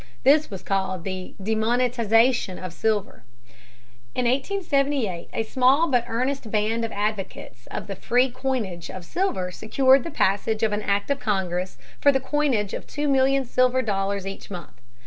This was called the "demonetization of silver." In 1878 a small but earnest band of advocates of the free coinage of silver secured the passage of an act of Congress for the coinage of two million silver dollars each month.